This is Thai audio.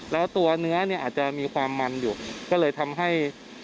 แล้วตัวเนื้อเนี่ยอาจจะมีความมันอยู่ก็เลยทำให้